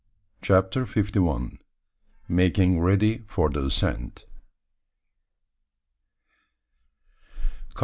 CHAPTER FIFTY ONE. MAKING READY FOR THE ASCENT.